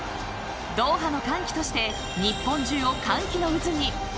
ドーハの歓喜として日本中を歓喜の渦に。